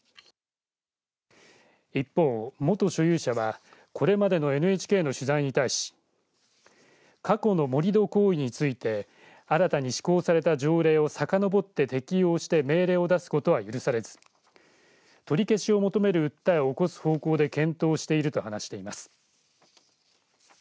一方、元所有者はこれまでのＮＨＫの取材に対し過去の盛り土行為について新たに施行された条例をさかのぼって適用して命令を出すことは許されず取り消しを求める訴えを起こす方向で検討していると話しています。